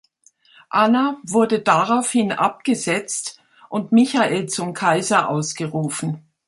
Anna wurde daraufhin abgesetzt und Michael zum Kaiser ausgerufen.